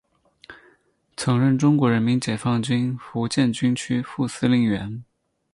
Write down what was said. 曾任中国人民解放军福建军区副司令员。